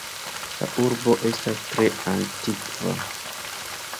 La urbo estas tre antikva.